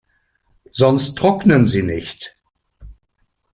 Sonst trocknen sie nicht.